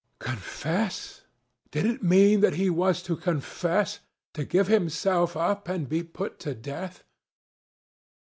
Confess? Did it mean that he was to confess? To give himself up and be put to death?